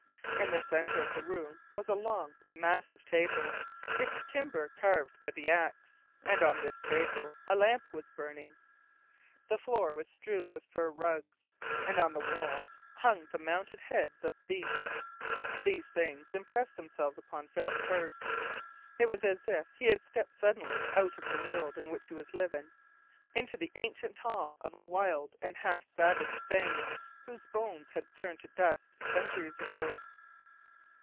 In the centre of the room was a long, massive table, its timber carved by the axe, and on this a lamp was burning. The floor was strewn with fur rugs, and on the walls hung the mounted heads of beasts. These things impressed themselves upon Philip first. It was as if he had stepped suddenly out of the world in which he was living into the ancient hall of a wild and half savage thane whose bones had turned to dust centuries ago.